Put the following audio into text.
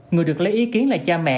người được lấy ý kiến là cha mẹ